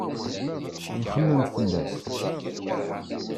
Ad nxemmem fell-as.